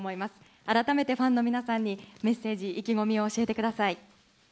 改めてファンの皆さんに、メッセージ、意気込みを教えてください。